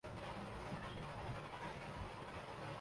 بھری معلوم ہوتی تھی ۔